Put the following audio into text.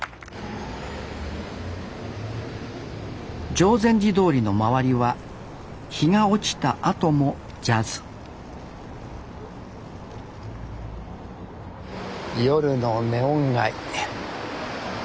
定禅寺通の周りは日が落ちたあともジャズ夜のネオン街。